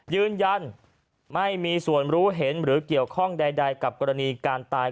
ยืนยันไม่มีส่วนรู้เห็นหรือเกี่ยวข้องใดกับกรณีการตาย